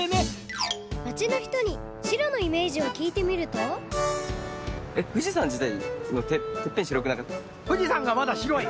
まちのひとに白のイメージをきいてみると富士山がまだ白い。